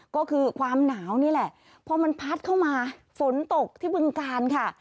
ก็คือความหนาวนี่แหละพอมันพัดเข้ามาฝนตกที่บึงการค่ะ